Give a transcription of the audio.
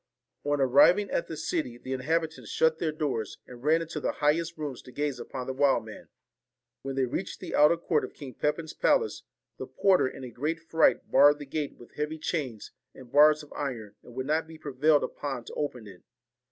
On arriving at the city, the inhabitants shut their doors, and ran into the highest rooms to gaze upon the wild man. When they reached the outer court of King Pepin's palace, the porter in a great fright barred the gate with heavy chains and bars of iron, and would not be prevailed upon to open it.